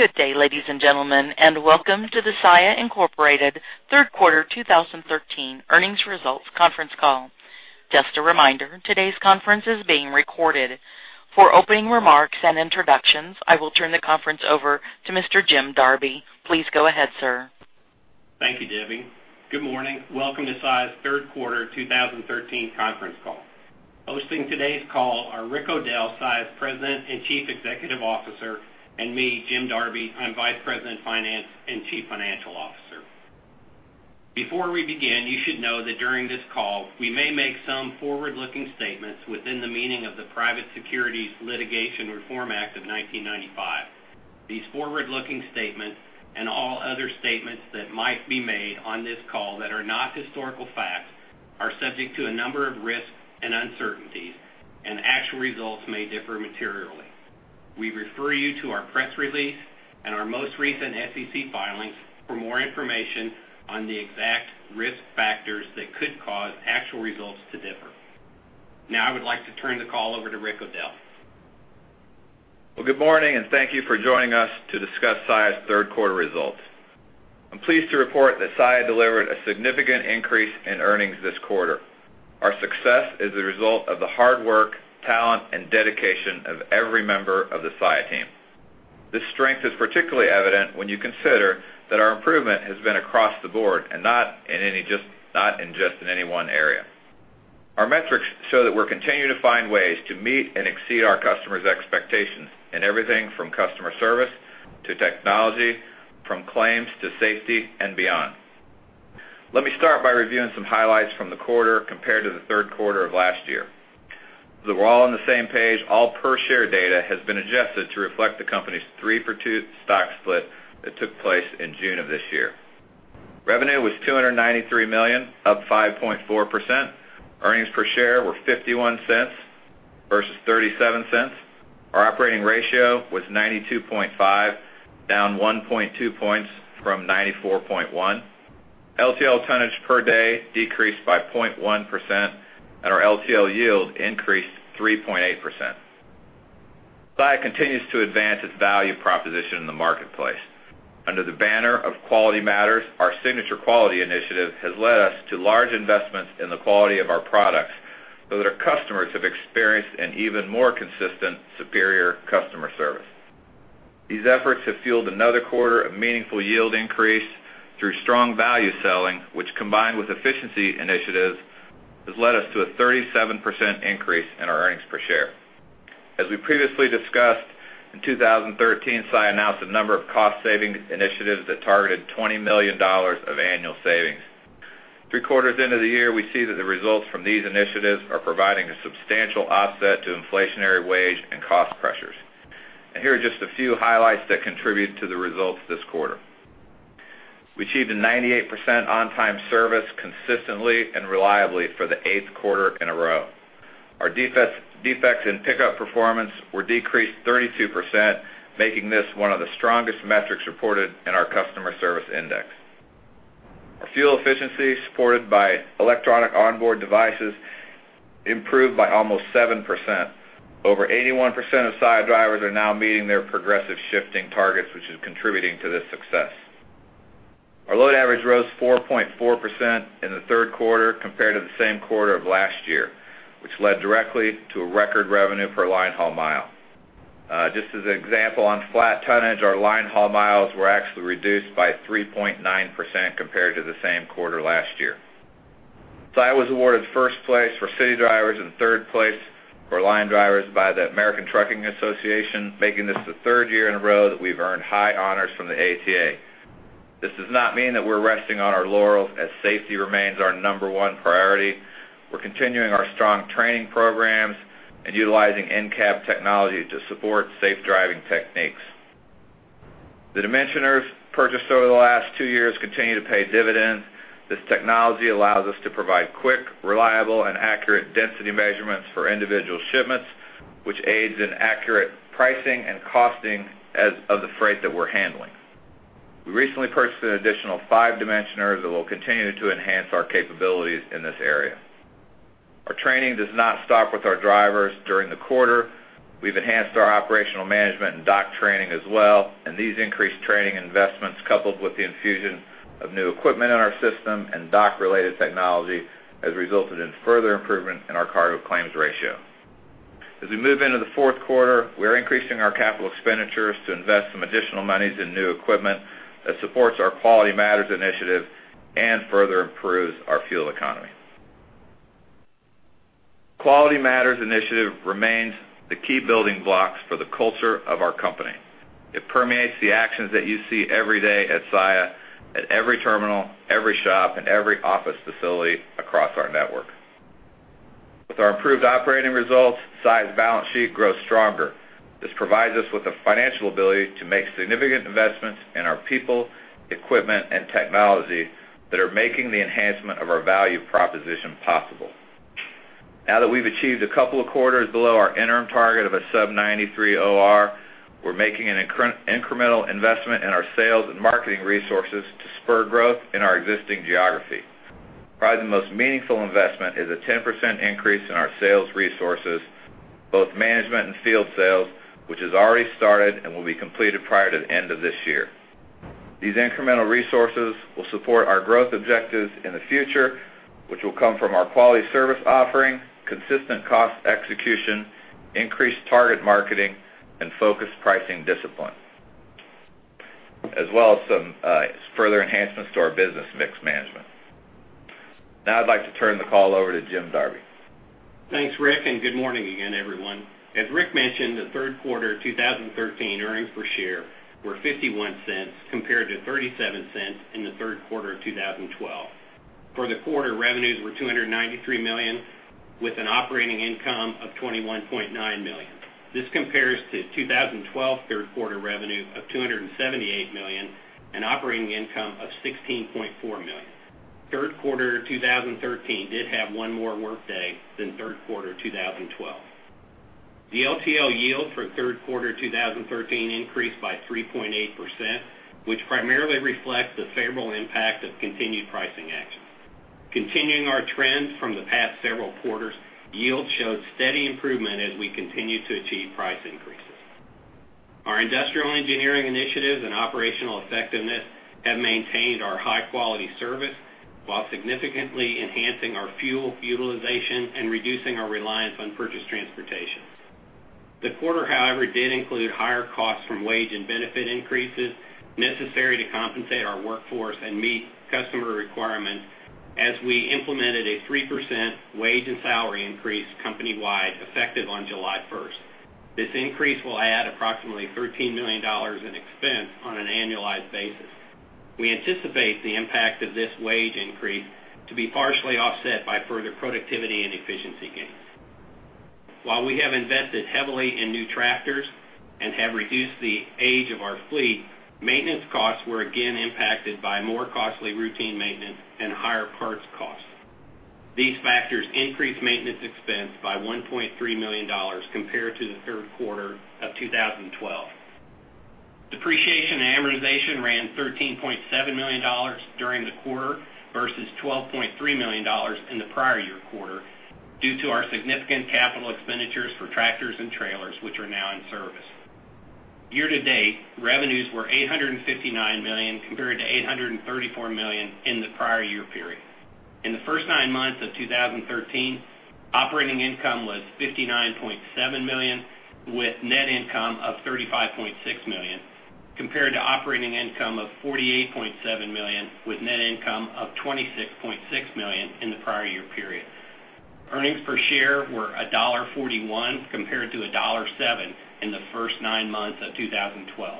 Good day, ladies and gentlemen, and welcome to the Saia Incorporated Third Quarter 2013 Earnings Results Conference Call. Just a reminder, today's conference is being recorded. For opening remarks and introductions, I will turn the conference over to Mr. Jim Darby. Please go ahead, sir. Thank you, Debbie. Good morning. Welcome to Saia's Third Quarter 2013 conference call. Hosting today's call are Rick O'Dell, Saia's President and Chief Executive Officer, and me, Jim Darby. I'm Vice President, Finance, and Chief Financial Officer. Before we begin, you should know that during this call, we may make some forward-looking statements within the meaning of the Private Securities Litigation Reform Act of 1995. These forward-looking statements, and all other statements that might be made on this call that are not historical facts, are subject to a number of risks and uncertainties, and actual results may differ materially. We refer you to our press release and our most recent SEC filings for more information on the exact risk factors that could cause actual results to differ. Now, I would like to turn the call over to Rick O'Dell. Well, good morning, and thank you for joining us to discuss Saia's third quarter results. I'm pleased to report that Saia delivered a significant increase in earnings this quarter. Our success is a result of the hard work, talent, and dedication of every member of the Saia team. This strength is particularly evident when you consider that our improvement has been across the board and not in just any one area. Our metrics show that we're continuing to find ways to meet and exceed our customers' expectations in everything from customer service to technology, from claims to safety, and beyond. Let me start by reviewing some highlights from the quarter compared to the third quarter of last year. We're all on the same page, all per-share data has been adjusted to reflect the company's 3-for-2 stock split that took place in June of this year. Revenue was $293 million, up 5.4%. Earnings per share were $0.51 versus $0.37. Our operating ratio was 92.5, down 1.2 points from 94.1. LTL tonnage per day decreased by 0.1%, and our LTL yield increased 3.8%. Saia continues to advance its value proposition in the marketplace. Under the banner of Quality Matters, our signature quality initiative has led us to large investments in the quality of our products, so that our customers have experienced an even more consistent, superior customer service. These efforts have fueled another quarter of meaningful yield increase through strong value selling, which, combined with efficiency initiatives, has led us to a 37% increase in our earnings per share. As we previously discussed, in 2013, Saia announced a number of cost-saving initiatives that targeted $20 million of annual savings. Three quarters into the year, we see that the results from these initiatives are providing a substantial offset to inflationary wage and cost pressures. And here are just a few highlights that contribute to the results this quarter. We achieved a 98% on-time service consistently and reliably for the 8th quarter in a row. Our defects in pickup performance were decreased 32%, making this one of the strongest metrics reported in our Customer Service Index. Our fuel efficiency, supported by electronic onboard devices, improved by almost 7%. Over 81% of Saia drivers are now meeting their progressive shifting targets, which is contributing to this success. Our load average rose 4.4% in the third quarter compared to the same quarter of last year, which led directly to a record revenue per linehaul mile. Just as an example, on flat tonnage, our linehaul miles were actually reduced by 3.9% compared to the same quarter last year. Saia was awarded first place for city drivers and third place for line drivers by the American Trucking Associations, making this the third year in a row that we've earned high honors from the ATA. This does not mean that we're resting on our laurels, as safety remains our number one priority. We're continuing our strong training programs and utilizing in-cab technology to support safe driving techniques. The dimensioners purchased over the last two years continue to pay dividends. This technology allows us to provide quick, reliable, and accurate density measurements for individual shipments, which aids in accurate pricing and costing as of the freight that we're handling. We recently purchased an additional five dimensioners that will continue to enhance our capabilities in this area. Our training does not stop with our drivers. During the quarter, we've enhanced our operational management and dock training as well, and these increased training investments, coupled with the infusion of new equipment in our system and dock-related technology, has resulted in further improvement in our cargo claims ratio. As we move into the fourth quarter, we're increasing our capital expenditures to invest some additional monies in new equipment that supports our Quality Matters initiative and further improves our fuel economy. Quality Matters initiative remains the key building blocks for the culture of our company. It permeates the actions that you see every day at Saia, at every terminal, every shop, and every office facility across our network. With our improved operating results, Saia's balance sheet grows stronger. This provides us with the financial ability to make significant investments in our people, equipment, and technology that are making the enhancement of our value proposition possible. Now that we've achieved a couple of quarters below our interim target of a sub 93 OR, we're making an incremental investment in our sales and marketing resources to spur growth in our existing geography. Probably the most meaningful investment is a 10% increase in our sales resources, both management and field sales, which has already started and will be completed prior to the end of this year. These incremental resources will support our growth objectives in the future, which will come from our quality service offering, consistent cost execution, increased target marketing, and focused pricing discipline, as well as some further enhancements to our business mix management. Now I'd like to turn the call over to Jim Darby. Thanks, Rick, and good morning again, everyone. As Rick mentioned, the third quarter of 2013 earnings per share were $0.51, compared to $0.37 in the third quarter of 2012. For the quarter, revenues were $293 million, with an operating income of $21.9 million. This compares to 2012 third quarter revenue of $278 million, and operating income of $16.4 million. Third quarter 2013 did have 1 more workday than third quarter 2012. The LTL yield for third quarter 2013 increased by 3.8%, which primarily reflects the favorable impact of continued pricing action. Continuing our trends from the past several quarters, yield showed steady improvement as we continued to achieve price increases. Our industrial engineering initiatives and operational effectiveness have maintained our high-quality service while significantly enhancing our fuel utilization and reducing our reliance on purchased transportation. The quarter, however, did include higher costs from wage and benefit increases necessary to compensate our workforce and meet customer requirements as we implemented a 3% wage and salary increase company-wide, effective on July first. This increase will add approximately $13 million in expense on an annualized basis. We anticipate the impact of this wage increase to be partially offset by further productivity and efficiency gains. While we have invested heavily in new tractors and have reduced the age of our fleet, maintenance costs were again impacted by more costly routine maintenance and higher parts costs. These factors increased maintenance expense by $1.3 million compared to the third quarter of 2012. Depreciation and amortization ran $13.7 million during the quarter versus $12.3 million in the prior year quarter due to our significant capital expenditures for tractors and trailers, which are now in service. Year-to-date, revenues were $859 million, compared to $834 million in the prior year period. In the first nine months of 2013, operating income was $59.7 million, with net income of $35.6 million, compared to operating income of $48.7 million, with net income of $26.6 million in the prior year period. Earnings per share were $1.41, compared to $1.07 in the first nine months of 2012.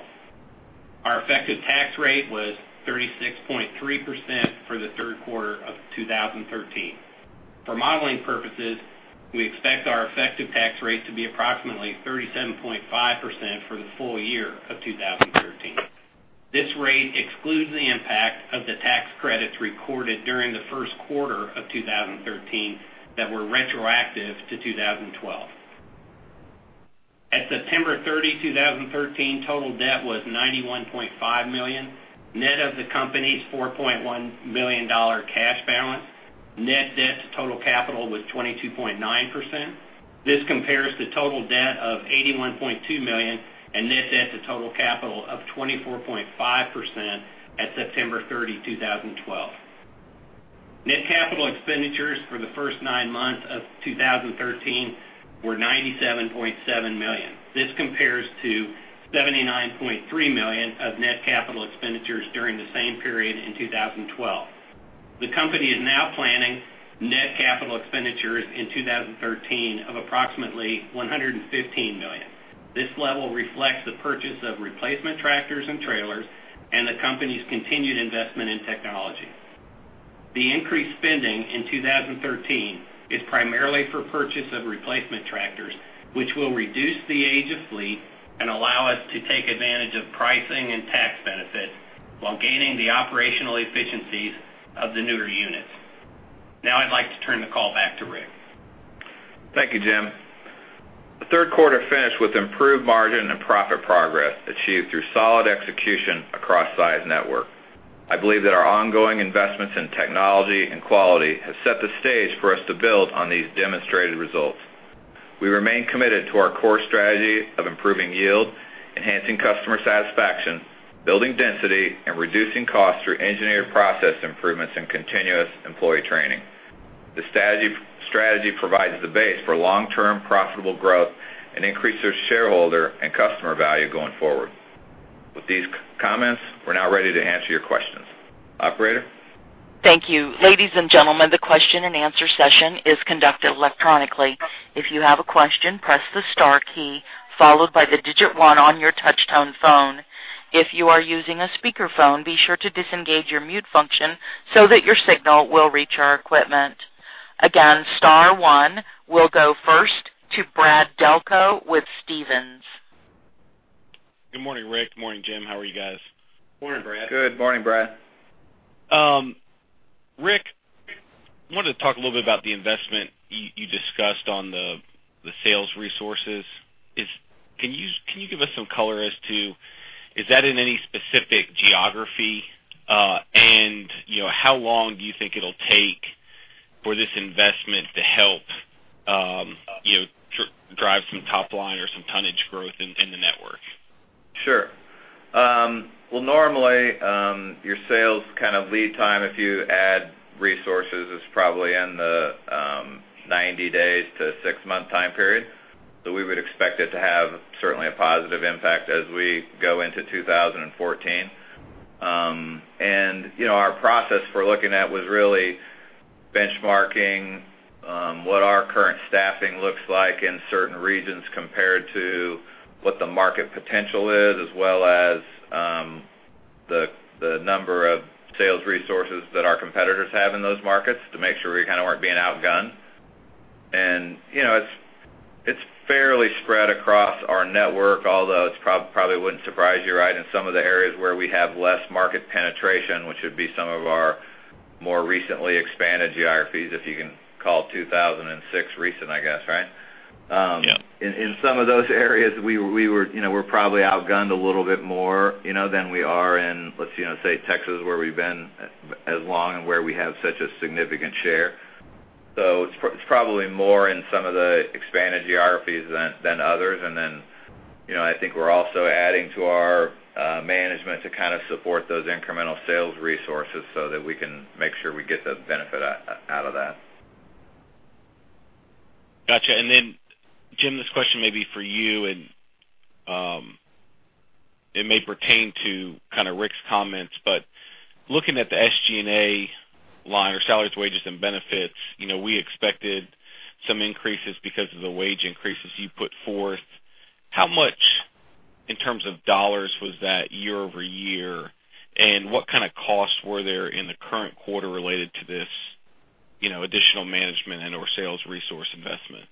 Our effective tax rate was 36.3% for the third quarter of 2013. For modeling purposes, we expect our effective tax rate to be approximately 37.5% for the full year of 2013. This rate excludes the impact of the tax credits recorded during the first quarter of 2013 that were retroactive to 2012. At September 30, 2013, total debt was $91.5 million, net of the company's $4.1 million cash balance. Net debt to total capital was 22.9%. This compares to total debt of $81.2 million and net debt to total capital of 24.5% at September 30, 2012. Net capital expenditures for the first nine months of 2013 were $97.7 million. This compares to $79.3 million of net capital expenditures during the same period in 2012. The company is now planning net capital expenditures in 2013 of approximately $115 million. This level reflects the purchase of replacement tractors and trailers and the company's continued investment in technology. The increased spending in 2013 is primarily for purchase of replacement tractors, which will reduce the age of fleet and allow us to take advantage of pricing and tax benefits while gaining the operational efficiencies of the newer units. Now I'd like to turn the call back to Rick. Thank you, Jim. The third quarter finished with improved margin and profit progress achieved through solid execution across Saia's network. I believe that our ongoing investments in technology and quality have set the stage for us to build on these demonstrated results. We remain committed to our core strategy of improving yield, enhancing customer satisfaction, building density, and reducing costs through engineered process improvements and continuous employee training. This strategy provides the base for long-term profitable growth and increases shareholder and customer value going forward. With these comments, we're now ready to answer your questions. Operator? Thank you. Ladies and gentlemen, the question-and-answer session is conducted electronically. If you have a question, press the star key followed by the digit one on your touchtone phone. If you are using a speakerphone, be sure to disengage your mute function so that your signal will reach our equipment. Again, star one. We'll go first to Brad Delco with Stephens. Good morning, Rick. Good morning, Jim. How are you guys? Morning, Brad. Good morning, Brad. Rick, I wanted to talk a little bit about the investment you discussed on the sales resources. Can you give us some color as to, is that in any specific geography? And, you know, how long do you think it'll take for this investment to help, you know, drive some top line or some tonnage growth in the network? Sure. Well, normally, your sales kind of lead time, if you add resources, is probably in the 90 days to six-month time period. So we would expect it to have certainly a positive impact as we go into 2014. And, you know, our process for looking at was really benchmarking what our current staffing looks like in certain regions compared to what the market potential is, as well as the number of sales resources that our competitors have in those markets to make sure we kind of aren't being outgunned. And, you know, it's fairly spread across our network, although it's probably wouldn't surprise you, right? In some of the areas where we have less market penetration, which would be some of our more recently expanded geographies, if you can call 2006 recent, I guess, right? Yeah. In some of those areas, we were, you know, we're probably outgunned a little bit more, you know, than we are in, let's, you know, say, Texas, where we've been as long and where we have such a significant share. So it's probably more in some of the expanded geographies than others. And then, you know, I think we're also adding to our management to kind of support those incremental sales resources so that we can make sure we get the benefit out of that. Gotcha. And then, Jim, this question may be for you, and it may pertain to kind of Rick's comments. But looking at the SG&A line, or salaries, wages, and benefits, you know, we expected some increases because of the wage increases you put forth. How much, in terms of dollars, was that year-over-year? And what kind of costs were there in the current quarter related to this, you know, additional management and/or sales resource investment?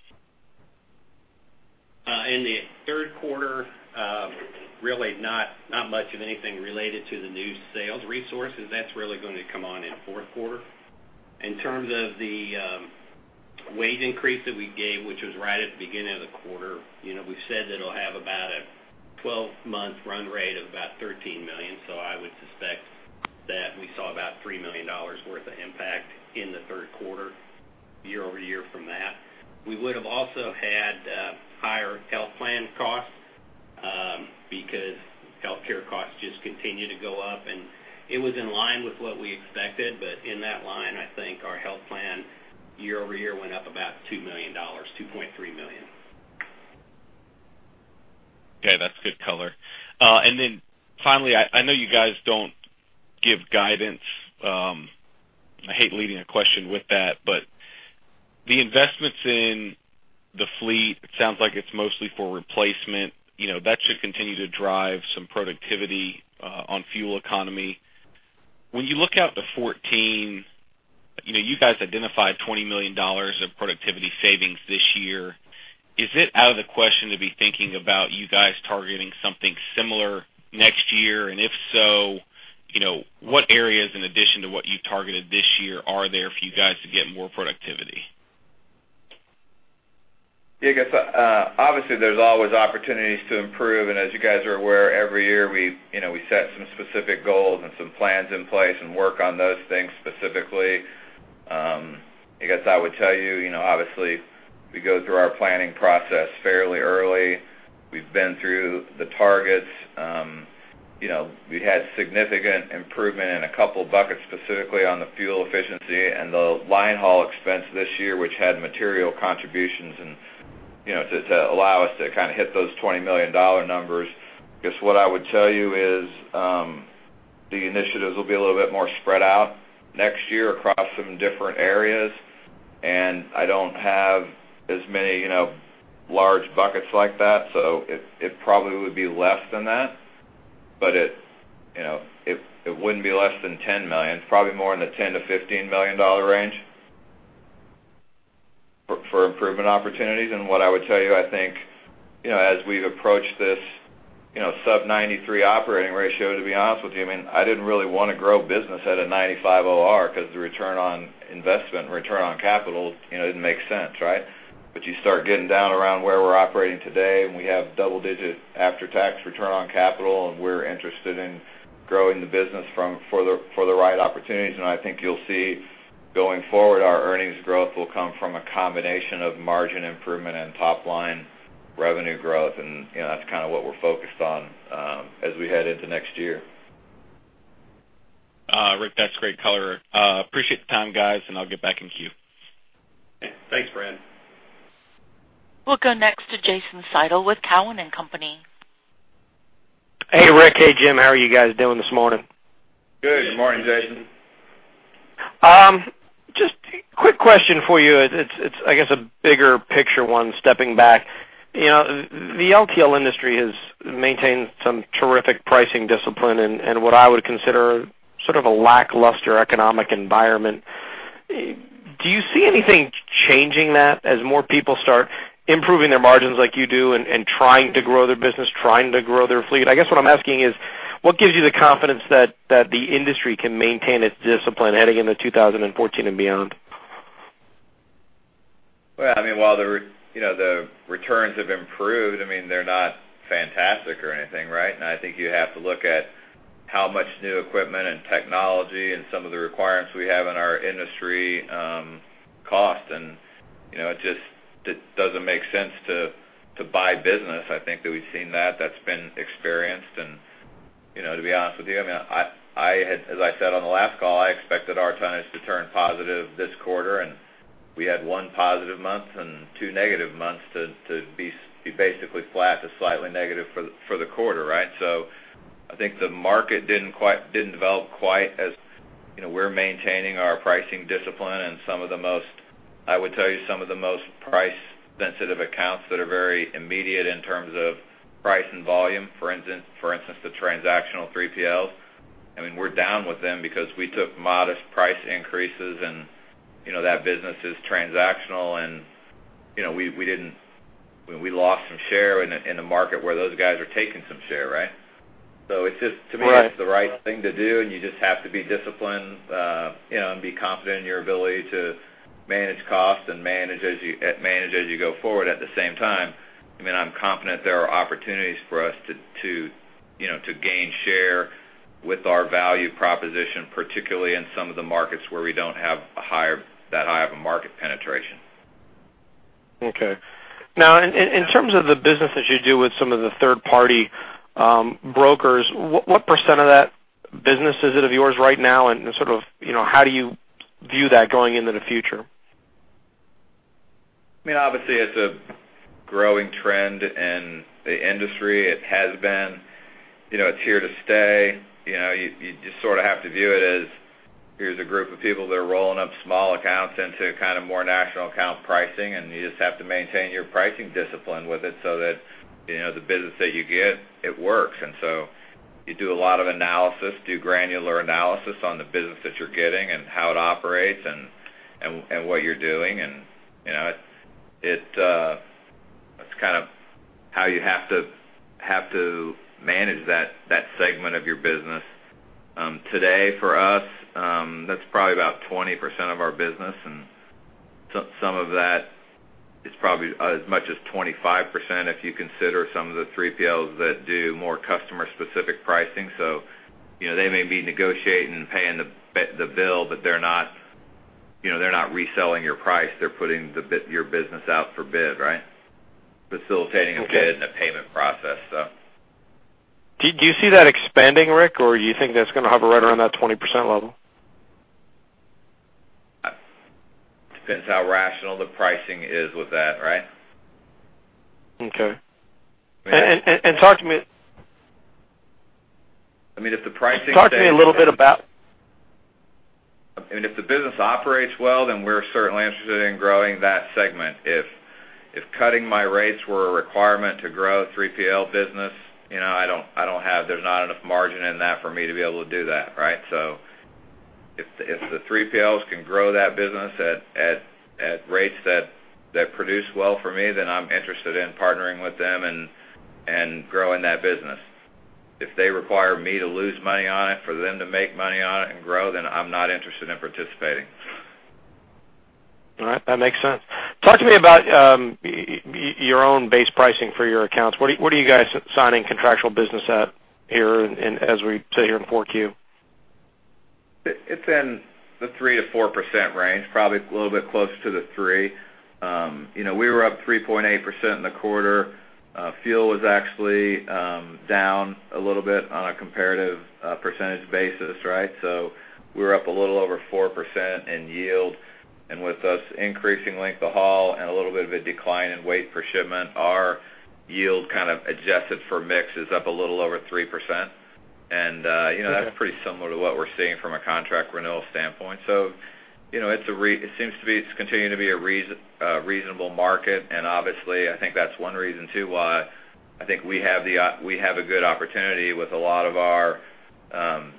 In the third quarter, really not, not much of anything related to the new sales resources. That's really going to come on in fourth quarter. In terms of the wage increase that we gave, which was right at the beginning of the quarter, you know, we've said that it'll have about a twelve-month run rate of about $13 million. So I would suspect that we saw about $3 million worth of impact in the third quarter, year-over-year from that. We would have also had higher health plan costs, because healthcare costs just continue to go up, and it was in line with what we expected. But in that line, I think our health plan, year-over-year, went up about $2 million, $2.3 million. Okay, that's good color. And then finally, I know you guys don't give guidance. I hate leading a question with that, but the investments in the fleet, it sounds like it's mostly for replacement. You know, that should continue to drive some productivity on fuel economy. When you look out to 2014, you know, you guys identified $20 million of productivity savings this year. Is it out of the question to be thinking about you guys targeting something similar next year? And if so, you know, what areas, in addition to what you've targeted this year, are there for you guys to get more productivity? Yeah, I guess, obviously, there's always opportunities to improve. And as you guys are aware, every year we, you know, we set some specific goals and some plans in place and work on those things specifically. I guess I would tell you, you know, obviously, we go through our planning process fairly early. We've been through the targets. You know, we had significant improvement in a couple of buckets, specifically on the fuel efficiency and the linehaul expense this year, which had material contributions and, you know, to, to allow us to kind of hit those $20 million numbers. I guess, what I would tell you is, the initiatives will be a little bit more spread out next year across some different areas, and I don't have as many, you know, large buckets like that, so it, it probably would be less than that. But it, you know, wouldn't be less than $10 million, probably more in the $10-$15 million range for improvement opportunities. And what I would tell you, I think, you know, as we've approached this, you know, sub-93 operating ratio, to be honest with you, I mean, I didn't really want to grow business at a 95 OR because the return on investment, return on capital, you know, didn't make sense, right? But you start getting down around where we're operating today, and we have double-digit after-tax return on capital, and we're interested in growing the business for the right opportunities. And I think you'll see, going forward, our earnings growth will come from a combination of margin improvement and top-line revenue growth, and, you know, that's kind of what we're focused on as we head into next year. Rick, that's great color. Appreciate the time, guys, and I'll get back in queue. Thanks, Brad. We'll go next to Jason Seidel with Cowen and Company. Hey, Rick. Hey, Jim. How are you guys doing this morning? Good morning, Jason. Just a quick question for you. It's, I guess, a bigger picture one, stepping back. You know, the LTL industry has maintained some terrific pricing discipline in what I would consider sort of a lackluster economic environment. Do you see anything changing that as more people start improving their margins like you do and trying to grow their business, trying to grow their fleet? I guess what I'm asking is, what gives you the confidence that the industry can maintain its discipline heading into 2014 and beyond? ...Well, I mean, while the returns have improved, I mean, they're not fantastic or anything, right? And I think you have to look at how much new equipment and technology and some of the requirements we have in our industry cost, and, you know, it just, it doesn't make sense to buy business. I think that we've seen that that's been experienced. And, you know, to be honest with you, I mean, I had, as I said on the last call, I expected our tonnage to turn positive this quarter, and we had one positive month and two negative months to be basically flat to slightly negative for the quarter, right? So I think the market didn't quite develop quite as... You know, we're maintaining our pricing discipline and some of the most, I would tell you, some of the most price-sensitive accounts that are very immediate in terms of price and volume, for instance, the transactional 3PL. I mean, we're down with them because we took modest price increases, and, you know, that business is transactional, and, you know, we didn't. We lost some share in a market where those guys are taking some share, right? So it's just, to me, it's the right thing to do, and you just have to be disciplined, you know, and be confident in your ability to manage costs and manage as you go forward at the same time. I mean, I'm confident there are opportunities for us to, you know, to gain share with our value proposition, particularly in some of the markets where we don't have a higher, that high of a market penetration. Okay. Now, in terms of the business that you do with some of the third-party brokers, what percent of that business is it of yours right now? And sort of, you know, how do you view that going into the future? I mean, obviously, it's a growing trend in the industry. It has been, you know, it's here to stay. You know, you just sort of have to view it as, here's a group of people that are rolling up small accounts into kind of more national account pricing, and you just have to maintain your pricing discipline with it so that, you know, the business that you get, it works. And so you do a lot of analysis, do granular analysis on the business that you're getting and how it operates and what you're doing. And, you know, it's kind of how you have to manage that segment of your business. Today, for us, that's probably about 20% of our business, and some of that is probably as much as 25%, if you consider some of the 3PLs that do more customer-specific pricing. So, you know, they may be negotiating and paying the bill, but they're not, you know, they're not reselling your price. They're putting your business out for bid, right? Facilitating a bid and a payment process, so. Do you see that expanding, Rick, or you think that's going to hover right around that 20% level? Depends how rational the pricing is with that, right? Okay. Talk to me. I mean, if the pricing- Talk to me a little bit about- I mean, if the business operates well, then we're certainly interested in growing that segment. If cutting my rates were a requirement to grow 3PL business, you know, I don't have—there's not enough margin in that for me to be able to do that, right? So if the 3PLs can grow that business at rates that produce well for me, then I'm interested in partnering with them and growing that business. If they require me to lose money on it for them to make money on it and grow, then I'm not interested in participating. All right, that makes sense. Talk to me about your own base pricing for your accounts. What are you guys signing contractual business at here in, as we sit here in 4Q? It's in the 3%-4% range, probably a little bit closer to the 3. You know, we were up 3.8% in the quarter. Fuel was actually down a little bit on a comparative percentage basis, right? So we were up a little over 4% in yield. And with us increasing length of haul and a little bit of a decline in weight per shipment, our yield kind of adjusted for mix is up a little over 3%. And you know, that's pretty similar to what we're seeing from a contract renewal standpoint. So, you know, it seems to be continuing to be a reasonable market, and obviously, I think that's one reason, too, why I think we have a good opportunity with a lot of our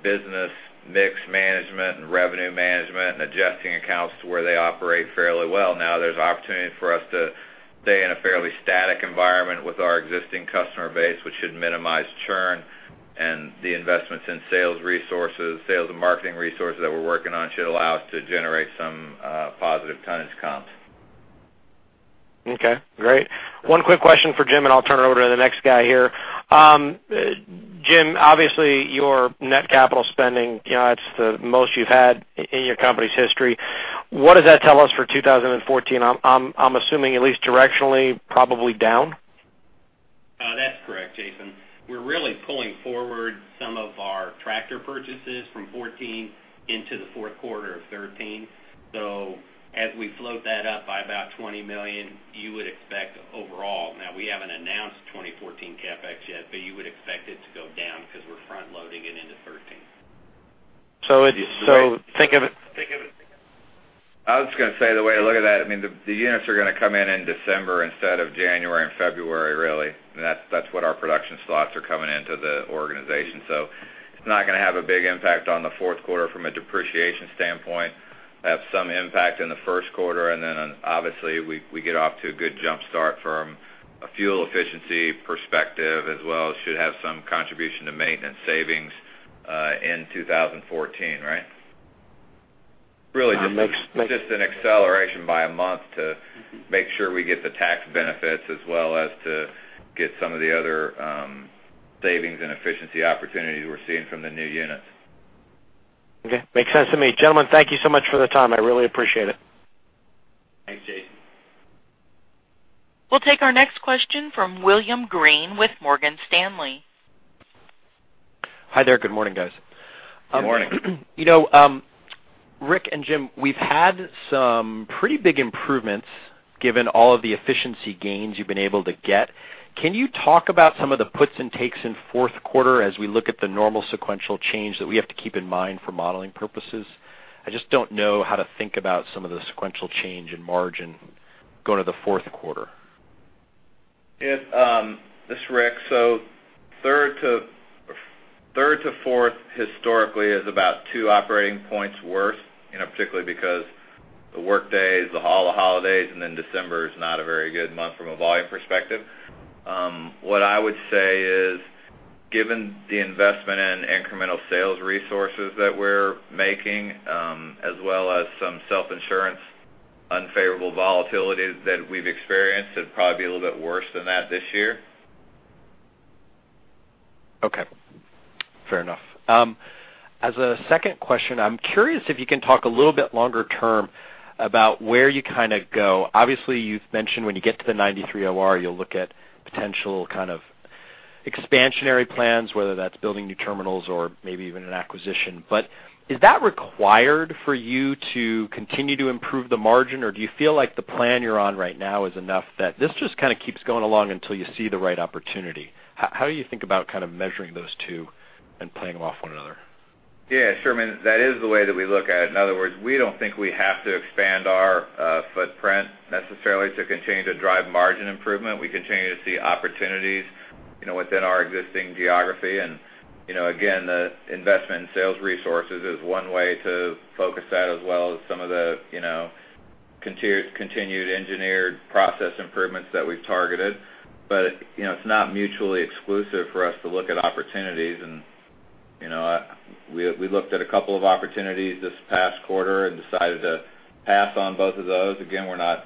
business mix management and revenue management and adjusting accounts to where they operate fairly well. Now, there's opportunity for us to stay in a fairly static environment with our existing customer base, which should minimize churn, and the investments in sales resources, sales and marketing resources that we're working on should allow us to generate some positive tonnage comps. Okay, great. One quick question for Jim, and I'll turn it over to the next guy here. Jim, obviously, your net capital spending, you know, it's the most you've had in your company's history. What does that tell us for 2014? I'm assuming at least directionally, probably down? That's correct, Jason. We're really pulling forward some of our tractor purchases from 2014 into the fourth quarter of 2013. So as we float that up by about $20 million, you would expect overall... Now, we haven't announced 2014 CapEx yet, but you would expect it to go down because we're front-loading it into 2013. So think of it- I was gonna say, the way I look at that, I mean, the units are gonna come in in December instead of January and February, really. And that's what our production slots are coming into the organization. So it's not gonna have a big impact on the fourth quarter from a depreciation standpoint. Have some impact in the first quarter, and then, obviously, we get off to a good jump start from a fuel efficiency perspective, as well as should have some contribution to maintenance savings... in 2014, right? Really, just an acceleration by a month to make sure we get the tax benefits as well as to get some of the other, savings and efficiency opportunities we're seeing from the new units. Okay. Makes sense to me. Gentlemen, thank you so much for the time. I really appreciate it. Thanks, Jason. We'll take our next question from William Greene with Morgan Stanley. Hi there. Good morning, guys. Good morning. You know, Rick and Jim, we've had some pretty big improvements given all of the efficiency gains you've been able to get. Can you talk about some of the puts and takes in fourth quarter as we look at the normal sequential change that we have to keep in mind for modeling purposes? I just don't know how to think about some of the sequential change in margin going to the fourth quarter. Yeah, this is Rick. So third to fourth, historically, is about two operating points worse, you know, particularly because the work days, the holidays, and then December is not a very good month from a volume perspective. What I would say is, given the investment in incremental sales resources that we're making, as well as some self-insurance, unfavorable volatility that we've experienced, it'd probably be a little bit worse than that this year. Okay, fair enough. As a second question, I'm curious if you can talk a little bit longer term about where you kind of go. Obviously, you've mentioned when you get to the 93 OR, you'll look at potential kind of expansionary plans, whether that's building new terminals or maybe even an acquisition. But is that required for you to continue to improve the margin, or do you feel like the plan you're on right now is enough that this just kind of keeps going along until you see the right opportunity? How do you think about kind of measuring those two and playing them off one another? Yeah, sure, I mean, that is the way that we look at it. In other words, we don't think we have to expand our footprint necessarily to continue to drive margin improvement. We continue to see opportunities, you know, within our existing geography. And, you know, again, the investment in sales resources is one way to focus that, as well as some of the, you know, continued engineered process improvements that we've targeted. But, you know, it's not mutually exclusive for us to look at opportunities. And, you know, we looked at a couple of opportunities this past quarter and decided to pass on both of those. Again, we're not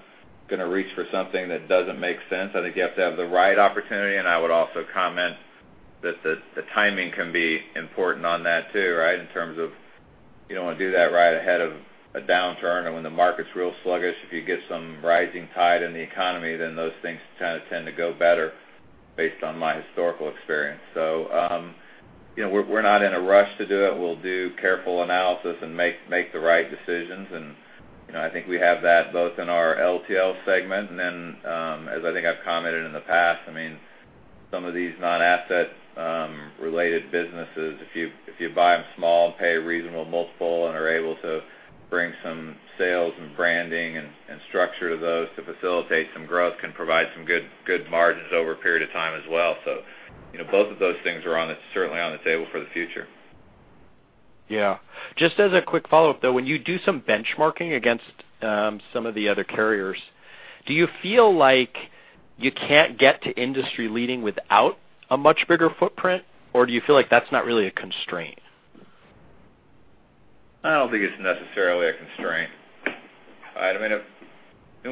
going to reach for something that doesn't make sense. I think you have to have the right opportunity, and I would also comment that the timing can be important on that, too, right? In terms of, you don't want to do that right ahead of a downturn or when the market's real sluggish. If you get some rising tide in the economy, then those things kind of tend to go better, based on my historical experience. So, you know, we're not in a rush to do it. We'll do careful analysis and make the right decisions. And, you know, I think we have that both in our LTL segment, and then, as I think I've commented in the past, I mean, some of these non-asset related businesses, if you buy them small and pay a reasonable multiple and are able to bring some sales and branding and structure to those to facilitate some growth, can provide some good margins over a period of time as well. You know, both of those things are on the, certainly on the table for the future. Yeah. Just as a quick follow-up, though, when you do some benchmarking against some of the other carriers, do you feel like you can't get to industry leading without a much bigger footprint, or do you feel like that's not really a constraint? I don't think it's necessarily a constraint. I mean, if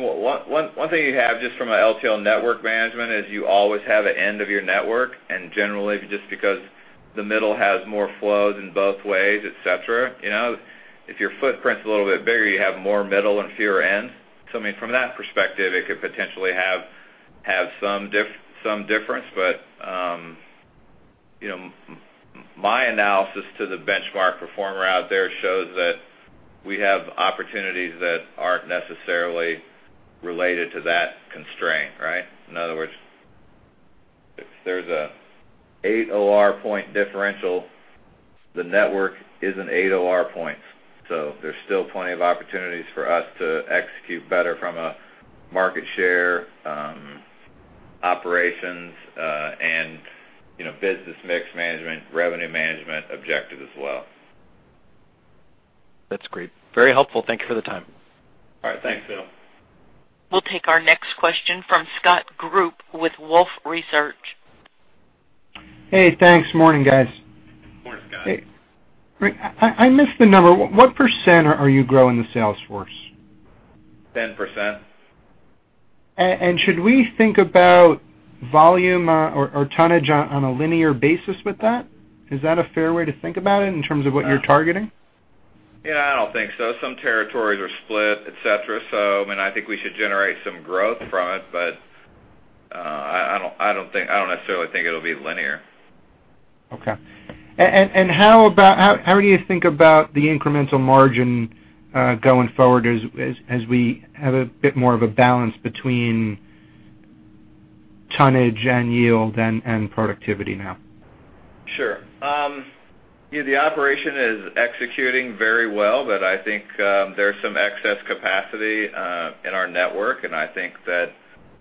one thing you have, just from an LTL network management, is you always have an end of your network, and generally, just because the middle has more flows in both ways, et cetera, you know, if your footprint's a little bit bigger, you have more middle and fewer ends. So I mean, from that perspective, it could potentially have some difference. But, you know, my analysis to the benchmark performer out there shows that we have opportunities that aren't necessarily related to that constraint, right? In other words, if there's an 8 OR point differential, the network isn't 8 OR points. So there's still plenty of opportunities for us to execute better from a market share, operations, and, you know, business mix management, revenue management objective as well. That's great. Very helpful. Thank you for the time. All right. Thanks, Bill. We'll take our next question from Scott Group with Wolfe Research. Hey, thanks. Morning, guys. Good morning, Scott. I missed the number. What % are you growing the sales force? Ten percent. Should we think about volume or tonnage on a linear basis with that? Is that a fair way to think about it in terms of what you're targeting? Yeah, I don't think so. Some territories are split, et cetera. So, I mean, I think we should generate some growth from it, but I don't think—I don't necessarily think it'll be linear. Okay. How do you think about the incremental margin going forward as we have a bit more of a balance between tonnage and yield and productivity now? Sure. Yeah, the operation is executing very well, but I think, there's some excess capacity in our network, and I think that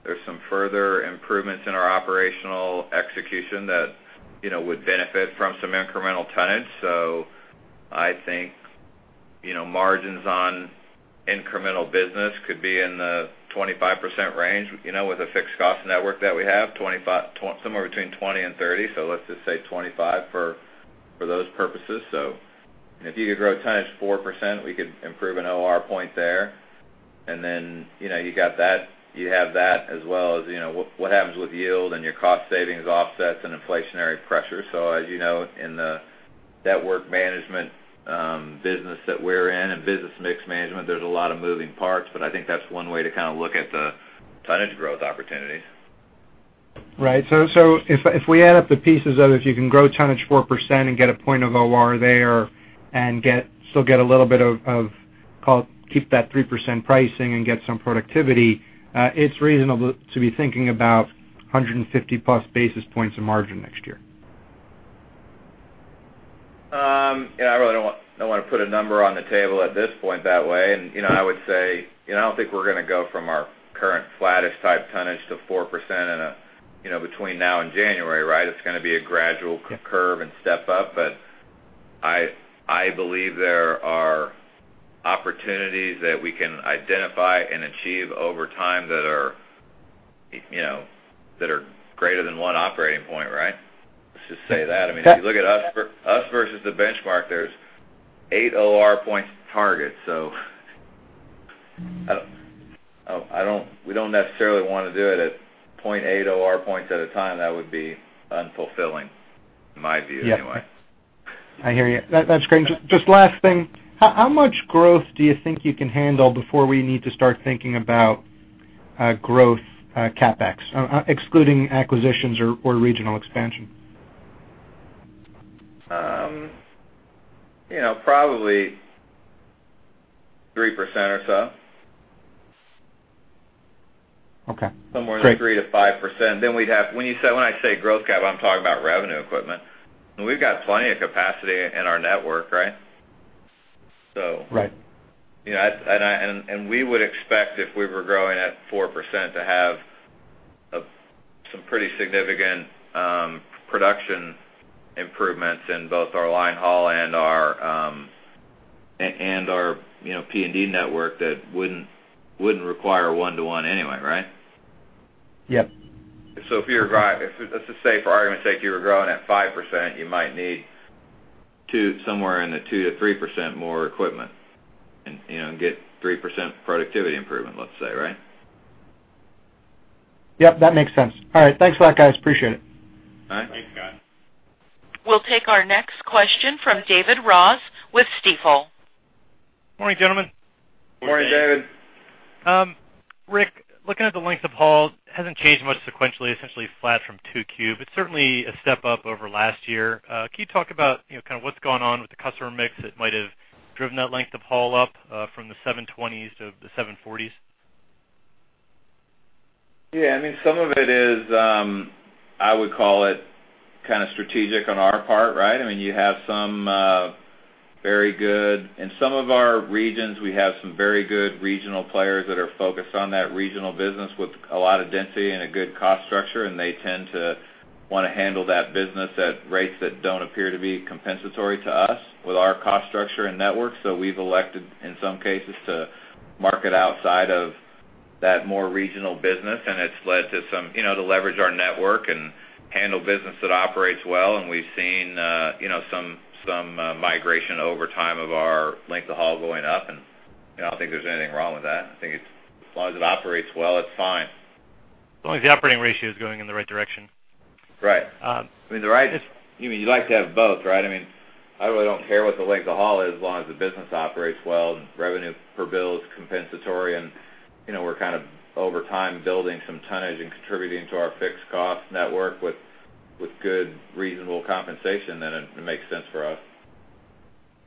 there's some further improvements in our operational execution that, you know, would benefit from some incremental tonnage. So I think you know, margins on incremental business could be in the 25% range, you know, with a fixed cost network that we have, 25 somewhere between 20 and 30. So let's just say 25 for, for those purposes. So if you could grow tonnage 4%, we could improve an OR point there, and then, you know, you got that, you have that as well as, you know, what, what happens with yield and your cost savings offsets and inflationary pressure. As you know, in the network management business that we're in, and business mix management, there's a lot of moving parts, but I think that's one way to kind of look at the tonnage growth opportunities. Right. So, so if, if we add up the pieces of it, if you can grow tonnage 4% and get a point of OR there and get, still get a little bit of, of, call it, keep that 3% pricing and get some productivity, it's reasonable to be thinking about 150 plus basis points of margin next year? Yeah, I really don't want, don't wanna put a number on the table at this point that way. And, you know, I would say, you know, I don't think we're gonna go from our current flattish type tonnage to 4% in a, you know, between now and January, right? It's gonna be a gradual curve and step up, but I believe there are opportunities that we can identify and achieve over time that are, you know, that are greater than one operating point, right? Let's just say that. I mean, if you look at us versus the benchmark, there's 8 OR points target, so I don't... We don't necessarily wanna do it at 0.8 OR points at a time. That would be unfulfilling, in my view, anyway. Yeah. I hear you. That, that's great. Just, just last thing, how, how much growth do you think you can handle before we need to start thinking about growth, CapEx, excluding acquisitions or, or regional expansion? You know, probably 3% or so. Okay, great. Somewhere in the 3%-5%. Then we'd have... When you say, when I say growth cap, I'm talking about revenue equipment, and we've got plenty of capacity in our network, right? So- Right. You know, and we would expect if we were growing at 4%, to have some pretty significant production improvements in both our linehaul and our P&D network that wouldn't require one-to-one anyway, right? Yep. So if you're growing, let's just say, for argument's sake, you were growing at 5%, you might need somewhere in the 2%-3% more equipment and, you know, and get 3% productivity improvement, let's say, right? Yep, that makes sense. All right. Thanks a lot, guys. Appreciate it. Bye. Thanks, Scott. We'll take our next question from David Ross with Stifel. Morning, gentlemen. Morning, David. Rick, looking at the length of haul, hasn't changed much sequentially, essentially flat from 2Q, but certainly a step up over last year. Can you talk about, you know, kind of what's going on with the customer mix that might have driven that length of haul up, from the 720s to the 740s? Yeah, I mean, some of it is, I would call it kind of strategic on our part, right? I mean, you have some very good... In some of our regions, we have some very good regional players that are focused on that regional business with a lot of density and a good cost structure, and they tend to wanna handle that business at rates that don't appear to be compensatory to us, with our cost structure and network. So we've elected, in some cases, to market outside of that more regional business, and it's led to some, you know, to leverage our network and handle business that operates well. And we've seen, you know, some migration over time of our length of haul going up, and I don't think there's anything wrong with that. I think it's, as long as it operates well, it's fine. As long as the operating ratio is going in the right direction. Right. Um- I mean, the right, you mean you like to have both, right? I mean, I really don't care what the length of haul is, as long as the business operates well and revenue per bill is compensatory and, you know, we're kind of over time building some tonnage and contributing to our fixed cost network with, with good, reasonable compensation, then it, it makes sense for us.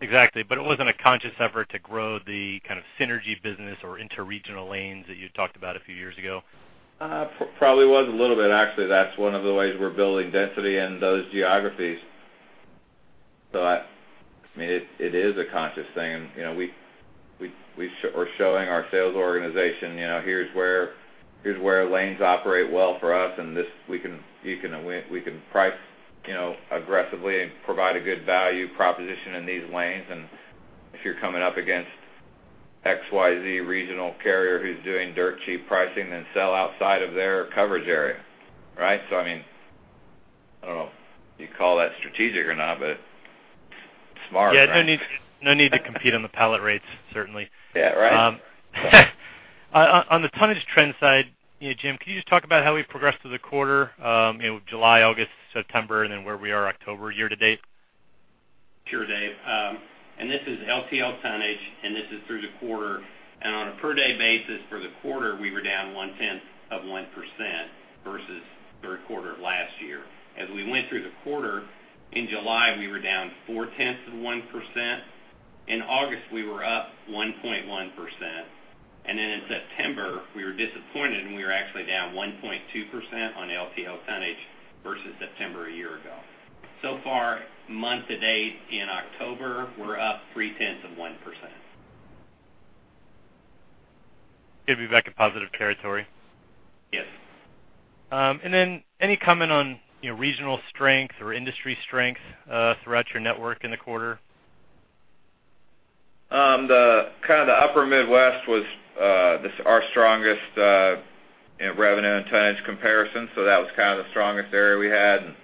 Exactly. But it wasn't a conscious effort to grow the kind of synergy business or interregional lanes that you talked about a few years ago? Probably was a little bit. Actually, that's one of the ways we're building density in those geographies. I mean, it, it is a conscious thing. And, you know, we, we're showing our sales organization, you know, here's where, here's where lanes operate well for us, and this, we can, you can win we can price, you know, aggressively and provide a good value proposition in these lanes. And if you're coming up against XYZ regional carrier who's doing dirt cheap pricing, then sell outside of their coverage area, right? So I mean, I don't know if you call that strategic or not, but smart, right? Yeah, no need, no need to compete on the pallet rates, certainly. Yeah, right. On the tonnage trend side, you know, Jim, can you just talk about how we progressed through the quarter, you know, July, August, September, and then where we are October year to date? Sure, Dave. And this is LTL tonnage, and this is through the quarter. And on a per day basis for the quarter, we were down 0.1% versus the third quarter of last year. As we went through the quarter, in July, we were down 0.4%. In August, we were up 1.1%, and then in September, we were disappointed, and we were actually down 1.2% on LTL tonnage versus September a year ago. So far, month to date in October, we're up 0.3%.... It'll be back in positive territory? Yes. And then any comment on, you know, regional strength or industry strength throughout your network in the quarter? Kind of the Upper Midwest was our strongest in revenue and tonnage comparison, so that was kind of the strongest area we had.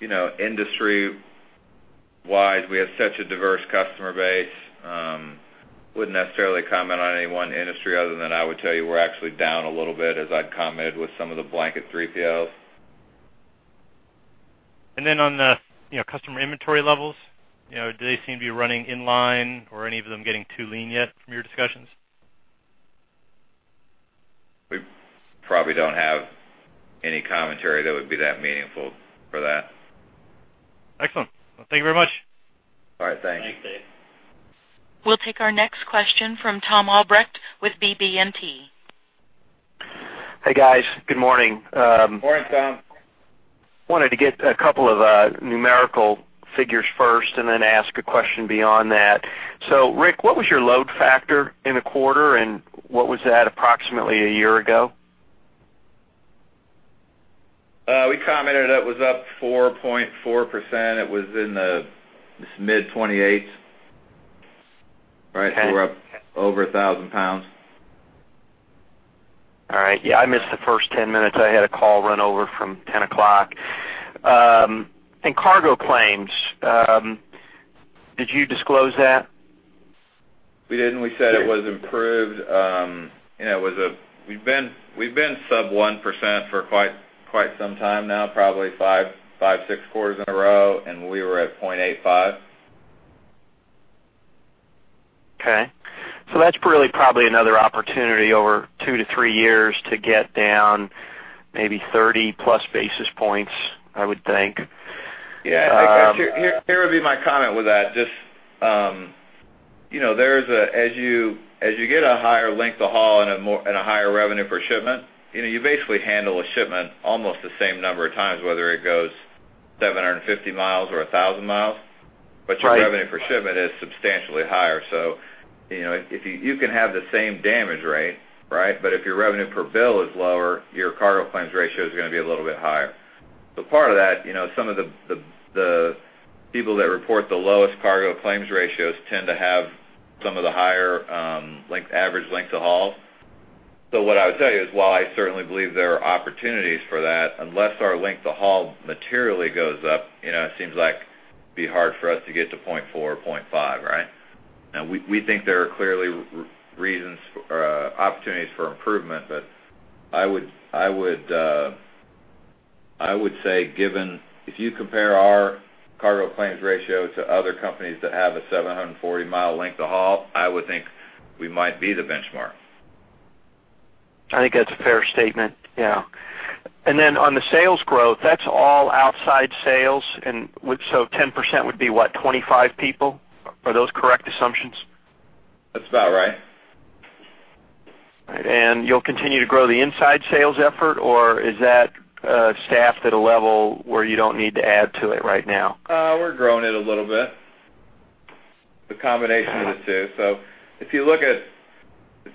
You know, industry-wise, we have such a diverse customer base, wouldn't necessarily comment on any one industry other than I would tell you we're actually down a little bit, as I'd commented, with some of the blanket 3PLs. And then on the, you know, customer inventory levels, you know, do they seem to be running in line or any of them getting too lean yet from your discussions? We probably don't have any commentary that would be that meaningful for that. Excellent. Thank you very much. All right, thanks. Thanks, Dave. We'll take our next question from Tom Albrecht with BB&T. Hey, guys. Good morning. Morning, Tom. Wanted to get a couple of numerical figures first and then ask a question beyond that. So Rick, what was your load factor in the quarter, and what was that approximately a year ago? We commented it was up 4.4%. It was in the, this mid-20s, right? Okay. We're up over 1,000 pounds. All right. Yeah, I missed the first 10 minutes. I had a call run over from 10 o'clock. And cargo claims, did you disclose that? We didn't. We said it was improved, and it was. We've been sub 1% for quite some time now, probably five, six quarters in a row, and we were at 0.85. Okay. So that's really probably another opportunity over 2-3 years to get down maybe 30+ basis points, I would think. Yeah. Um- Here, here would be my comment with that: Just, you know, there's a—as you, as you get a higher length of haul and a more, and a higher revenue per shipment, you know, you basically handle a shipment almost the same number of times, whether it goes 750 miles or 1,000 miles. Right. But your revenue per shipment is substantially higher. So, you know, if you, you can have the same damage rate, right? But if your revenue per bill is lower, your cargo claims ratio is gonna be a little bit higher. But part of that, you know, some of the people that report the lowest cargo claims ratios tend to have some of the higher, length, average length of hauls. So what I would tell you is, while I certainly believe there are opportunities for that, unless our length of haul materially goes up, you know, it seems like it'd be hard for us to get to 0.4 or 0.5, right? Now, we think there are clearly reasons, opportunities for improvement, but I would, I would, I would say, given... If you compare our cargo claims ratio to other companies that have a 740-mile length of haul, I would think we might be the benchmark. I think that's a fair statement, yeah. And then on the sales growth, that's all outside sales, and would, so 10% would be, what? 25 people? Are those correct assumptions? That's about right. All right. You'll continue to grow the inside sales effort, or is that staffed at a level where you don't need to add to it right now? We're growing it a little bit, the combination of the two. So if you look at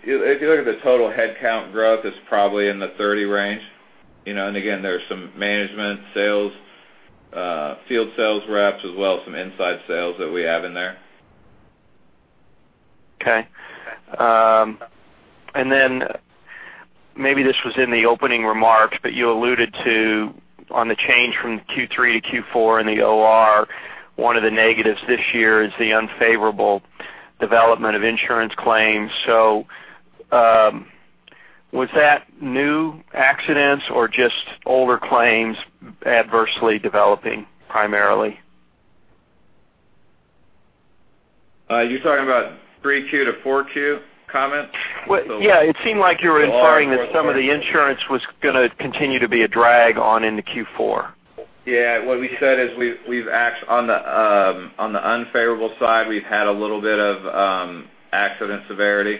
the total headcount growth, it's probably in the 30 range, you know. And again, there are some management, sales, field sales reps, as well as some inside sales that we have in there. Okay. And then maybe this was in the opening remarks, but you alluded to on the change from Q3 to Q4 in the OR, one of the negatives this year is the unfavorable development of insurance claims. So, was that new accidents or just older claims adversely developing, primarily? You're talking about 3Q to 4Q comment? Well, yeah, it seemed like you were- OR... implying that some of the insurance was gonna continue to be a drag on in the Q4. Yeah. What we said is we've, we've asked on the, on the unfavorable side, we've had a little bit of accident severity.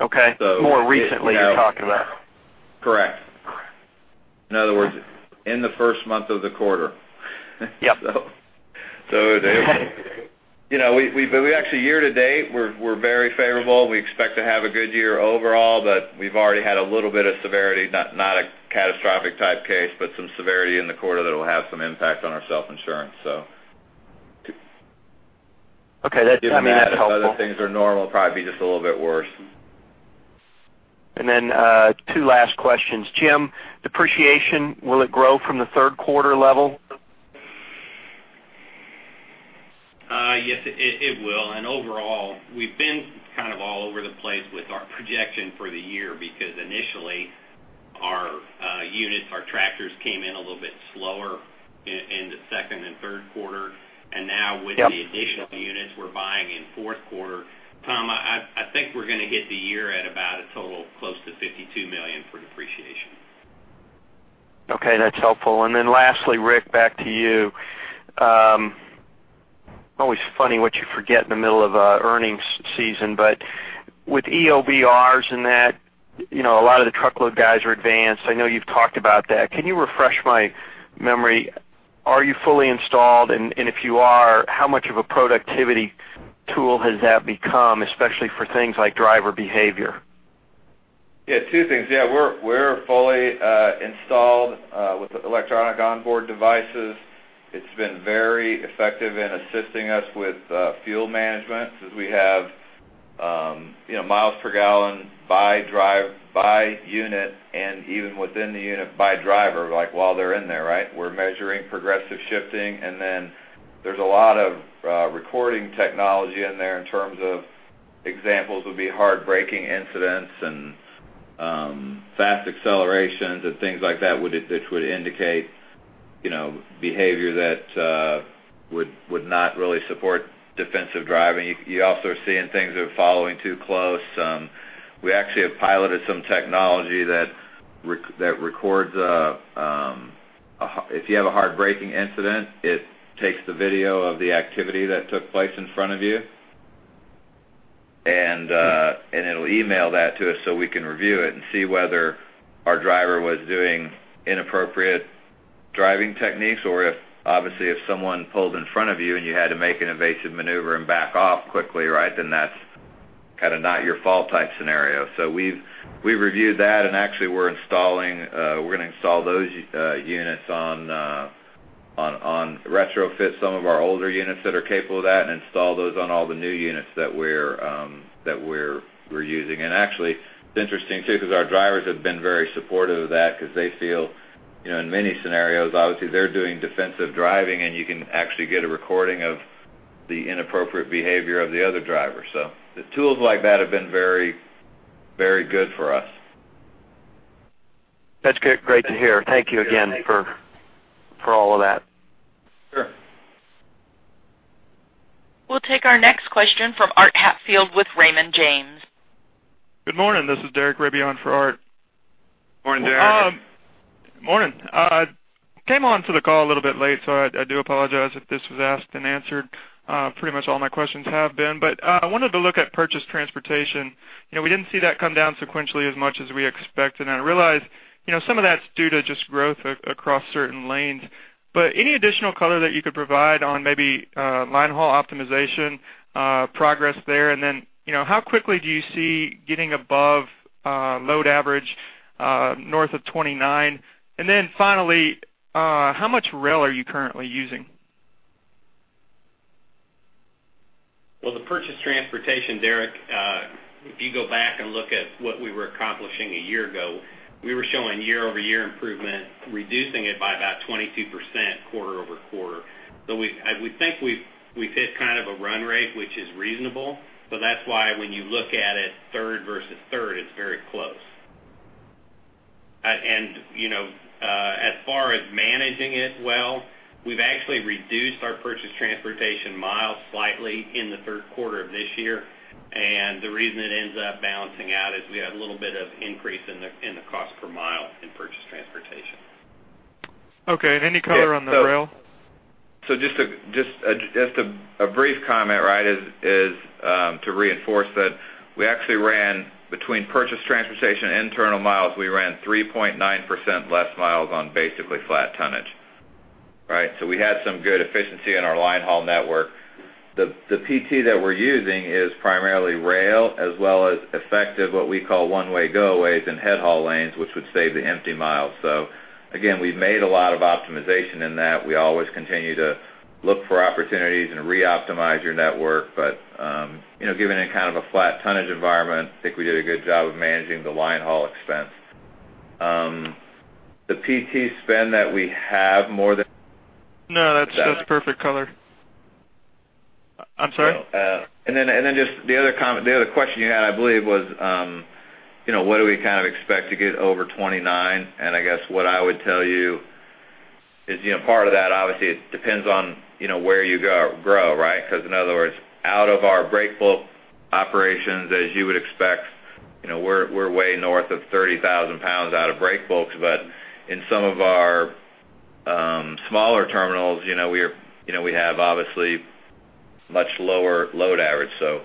Okay. So- More recently, you're talking about? Correct. Correct. In other words, in the first month of the quarter. Yep. So, you know, but we actually, year to date, we're very favorable. We expect to have a good year overall, but we've already had a little bit of severity, not a catastrophic type case, but some severity in the quarter that will have some impact on our self-insurance, so. Okay, that, I mean, that's helpful. Other things are normal, probably just a little bit worse. And then, two last questions. Jim, depreciation, will it grow from the third quarter level? Yes, it will. And overall, we've been kind of all over the place with our projection for the year because initially, our units, our tractors came in a little bit slower in the second and third quarter. Yep. And now, with the additional units we're buying in fourth quarter, Tom, I think we're gonna hit the year at about a total close to $52 million for depreciation. Okay, that's helpful. And then lastly, Rick, back to you. Always funny what you forget in the middle of an earnings season, but with EOBRs, you know, a lot of the truckload guys are advanced. I know you've talked about that. Can you refresh my memory? Are you fully installed? And if you are, how much of a productivity tool has that become, especially for things like driver behavior? Yeah, two things. Yeah, we're fully installed with electronic onboard devices. It's been very effective in assisting us with fuel management, since we have, you know, miles per gallon by drive, by unit, and even within the unit, by driver, like, while they're in there, right? We're measuring progressive shifting. And then there's a lot of recording technology in there in terms of, examples would be hard braking incidents and fast accelerations and things like that, that would indicate, you know, behavior that would not really support defensive driving. You also are seeing things of following too close. We actually have piloted some technology that records if you have a hard braking incident, it takes the video of the activity that took place in front of you, and it'll email that to us so we can review it and see whether our driver was doing inappropriate driving techniques, or if, obviously, if someone pulled in front of you and you had to make an evasive maneuver and back off quickly, right, then that's kind of not your fault type scenario. So we've reviewed that, and actually, we're installing, we're gonna install those units on retrofit some of our older units that are capable of that, and install those on all the new units that we're using. Actually, it's interesting, too, because our drivers have been very supportive of that because they feel, you know, in many scenarios, obviously, they're doing defensive driving, and you can actually get a recording of the inappropriate behavior of the other driver. So the tools like that have been very, very good for us. That's good. Great to hear. Thank you again for all of that. Sure. We'll take our next question from Art Hatfield with Raymond James. Good morning. This is Derek Rabe for Art. Morning, Derek. Morning. I came on to the call a little bit late, so I do apologize if this was asked and answered, pretty much all my questions have been. But, I wanted to look at purchased transportation. You know, we didn't see that come down sequentially as much as we expected. And I realize, you know, some of that's due to just growth across certain lanes. But any additional color that you could provide on maybe, linehaul optimization, progress there, and then, you know, how quickly do you see getting above, load average, north of 29? And then finally, how much rail are you currently using? Well, the purchased transportation, Derek, if you go back and look at what we were accomplishing a year ago, we were showing year-over-year improvement, reducing it by about 22% quarter-over-quarter. So we think we've hit kind of a run rate, which is reasonable, so that's why when you look at it, third versus third, it's very close. And, you know, as far as managing it well, we've actually reduced our purchased transportation miles slightly in the third quarter of this year, and the reason it ends up balancing out is we have a little bit of increase in the cost per mile in purchased transportation. Okay. Yeah, so- And any color on the rail? So just a brief comment, right, is to reinforce that we actually ran between purchased transportation and internal miles, we ran 3.9% less miles on basically flat tonnage. Right? So we had some good efficiency in our linehaul network. The PT that we're using is primarily rail, as well as effective, what we call, one-way tow-aways and headhaul lanes, which would save the empty miles. So again, we've made a lot of optimization in that. We always continue to look for opportunities and reoptimize your network, but, you know, given a kind of a flat tonnage environment, I think we did a good job of managing the linehaul expense. The PT spend that we have more than- No, that's, that's perfect color. I'm sorry? So, and then just the other comment, the other question you had, I believe, was, you know, what do we kind of expect to get over 29? And I guess what I would tell you is, you know, part of that, obviously, it depends on, you know, where you go grow, right? Because in other words, out of our breakbulk operations, as you would expect, you know, we're way north of 30,000 pounds out of breakbulks. But in some of our smaller terminals, you know, we're, you know, we have obviously much lower load average. So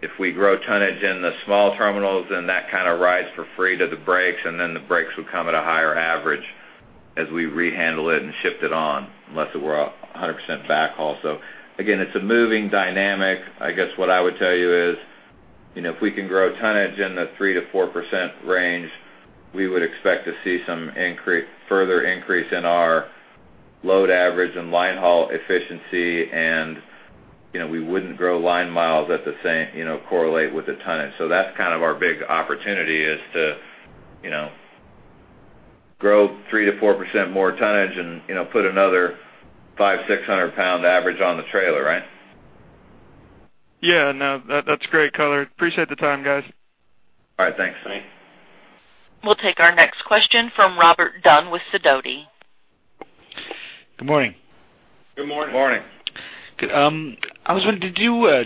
if we grow tonnage in the small terminals, then that kind of rides for free to the breaks, and then the breaks would come at a higher average as we rehandle it and shipped it on, unless it were 100% backhaul. So again, it's a moving dynamic. I guess what I would tell you is, you know, if we can grow tonnage in the 3%-4% range, we would expect to see some increase, further increase in our load average and linehaul efficiency. And, you know, we wouldn't grow line miles at the same, you know, correlate with the tonnage. So that's kind of our big opportunity, is to, you know, grow 3%-4% more tonnage and, you know, put another 500-600 pound average on the trailer, right? Yeah. No, that, that's great color. Appreciate the time, guys. All right, thanks. Thanks. We'll take our next question from Robert Dunn with Sidoti. Good morning. Good morning. Good morning. Good, I was wondering,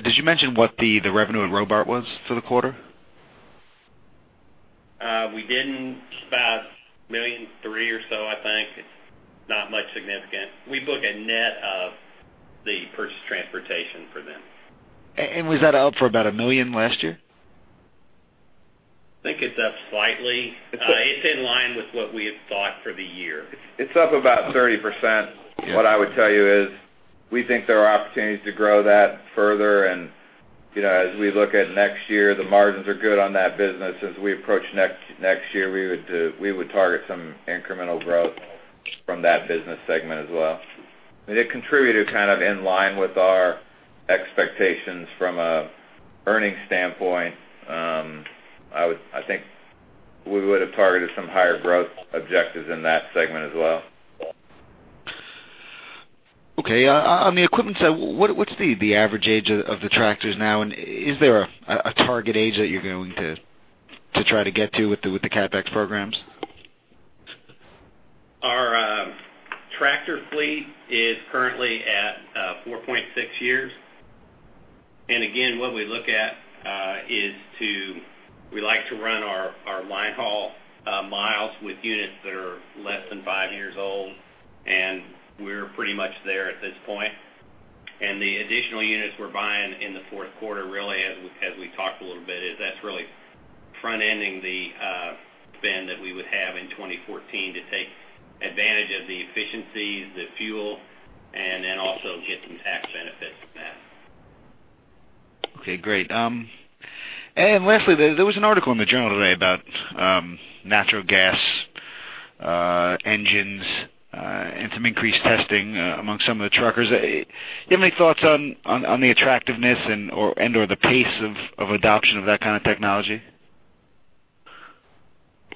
did you mention what the revenue at Robart was for the quarter? We didn't. About $3 million or so, I think... significant. We book a net of the purchased transportation for them. Was that up for about a million last year? I think it's up slightly. It's in line with what we had thought for the year. It's up about 30%. What I would tell you is, we think there are opportunities to grow that further. And, you know, as we look at next year, the margins are good on that business. As we approach next year, we would target some incremental growth from that business segment as well. But it contributed kind of in line with our expectations from an earnings standpoint. I would, I think we would have targeted some higher growth objectives in that segment as well. Okay. On the equipment side, what's the average age of the tractors now? And is there a target age that you're going to try to get to with the CapEx programs? Our tractor fleet is currently at 4.6 years. And again, what we look at is, we like to run our linehaul miles with units that are less than five years old, and we're pretty much there at this point. And the additional units we're buying in the fourth quarter, really, as we talked a little bit, is, that's really front-ending the spend that we would have in 2014 to take advantage of the efficiencies, the fuel, and then also get some tax benefits from that. Okay, great. And lastly, there was an article in the Journal today about natural gas engines and some increased testing amongst some of the truckers. Do you have any thoughts on the attractiveness and/or the pace of adoption of that kind of technology?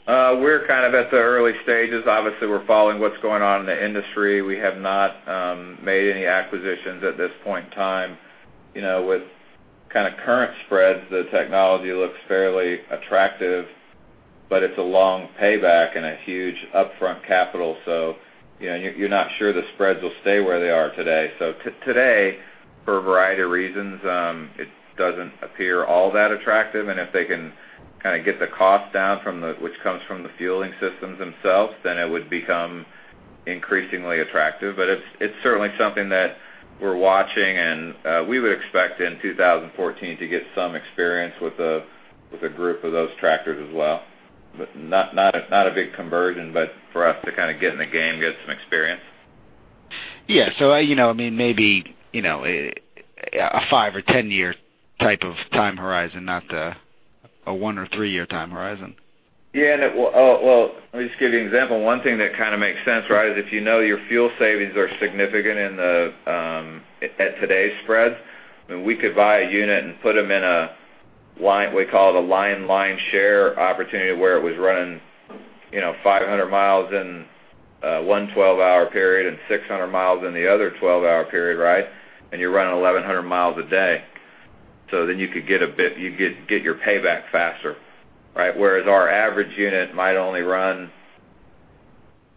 We're kind of at the early stages. Obviously, we're following what's going on in the industry. We have not made any acquisitions at this point in time. You know, with kind of current spreads, the technology looks fairly attractive, but it's a long payback and a huge upfront capital. So, you know, you're not sure the spreads will stay where they are today. Today, for a variety of reasons, it doesn't appear all that attractive. And if they can kind of get the cost down from the, which comes from the fueling systems themselves, then it would become increasingly attractive. But it's, it's certainly something that we're watching, and we would expect in 2014 to get some experience with a, with a group of those tractors as well. But not a big conversion, but for us to kind of get in the game, get some experience. Yeah. So, you know, I mean, maybe, you know, a 5- or 10-year type of time horizon, not a 1- or 3-year time horizon. Yeah, and it, well, let me just give you an example. One thing that kind of makes sense, right, is if you know your fuel savings are significant in the, at today's spreads, then we could buy a unit and put them in a line, we call it a line share opportunity, where it was running, you know, 500 miles in, one 12-hour period and 600 miles in the other 12-hour period, right? And you're running 1,100 miles a day. So then you could get you could get your payback faster, right? Whereas our average unit might only run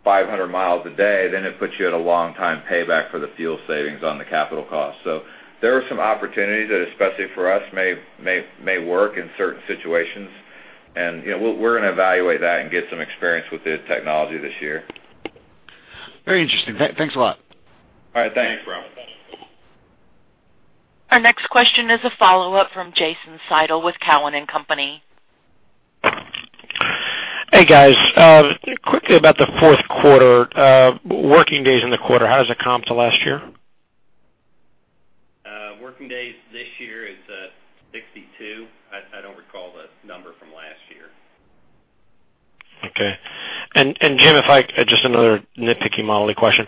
500 miles a day, then it puts you at a long time payback for the fuel savings on the capital cost. So there are some opportunities that, especially for us, may, may, may work in certain situations. You know, we're going to evaluate that and get some experience with the technology this year. Very interesting. Thanks a lot. All right. Thanks. Thanks, Rob. Our next question is a follow-up from Jason Seidel with Cowen and Company. Hey, guys. Quickly, about the fourth quarter, working days in the quarter, how does it comp to last year? Working days this year is 62. I don't recall the number from last year. Okay. And Jim, just another nitpicky modeling question.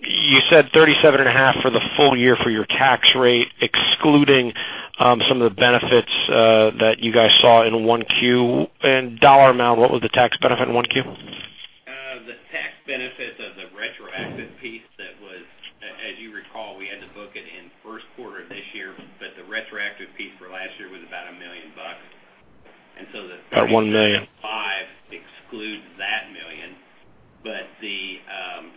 You said 37.5% for the full year for your tax rate, excluding some of the benefits that you guys saw in 1Q. In dollar amount, what was the tax benefit in 1Q? The tax benefit of the retroactive piece that was, as you recall, we had to book it in first quarter of this year, but the retroactive piece for last year was about $1 million. And so the- About 1 million. 5 excludes that $1 million. But the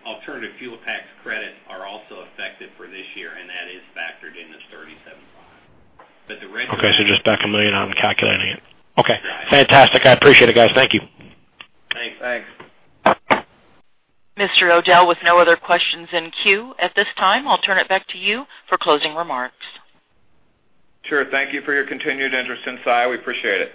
alternative fuel tax credits are also effective for this year, and that is factored in the 37.5. But the rest- Okay, so just back 1 million on calculating it. Okay. Fantastic. I appreciate it, guys. Thank you. Thanks. Thanks. Mr. O'Dell, with no other questions in queue at this time, I'll turn it back to you for closing remarks. Sure. Thank you for your continued interest in Saia. We appreciate it.